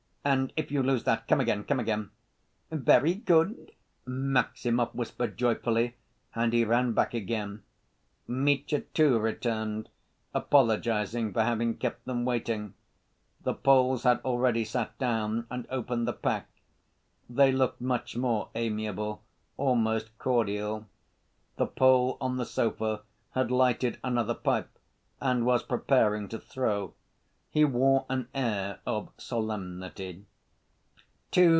"And if you lose that, come again, come again." "Very good," Maximov whispered joyfully, and he ran back again. Mitya, too, returned, apologizing for having kept them waiting. The Poles had already sat down, and opened the pack. They looked much more amiable, almost cordial. The Pole on the sofa had lighted another pipe and was preparing to throw. He wore an air of solemnity.